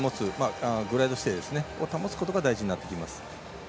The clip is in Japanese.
グライド姿勢を保つことが大事になってきます。